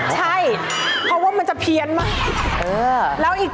ใช่เพราะว่ามันจะเพี้ยนมาก